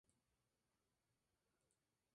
Edificio en calle Amador de los Ríos.